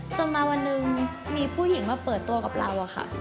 จนมาวันหนึ่งมีผู้หญิงมาเปิดตัวกับเราอะค่ะ